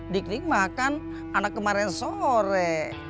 dik dik makan anak kemarin sore